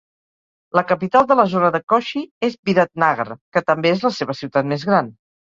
La capital de la zona de Koshi és Biratnagar, que també és la seva ciutat més gran.